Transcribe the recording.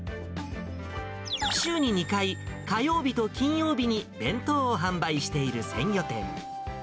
週に２回、火曜日と金曜日に弁当を販売している鮮魚店。